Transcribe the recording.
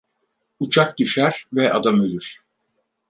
Uçak düşer ve adam ölür.